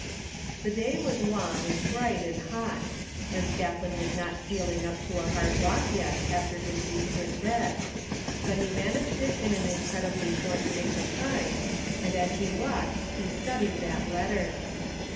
The way was long and bright and hot, and Scathlin was not feeling up to a hard walk yet after his weeks in bed ; but he managed it in an incredibly short space of time, and as he walked he studied that letter.